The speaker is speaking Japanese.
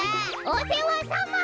おせわさま！